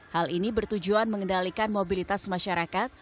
hal ini bertujuan mengendalikan mobilitas masyarakat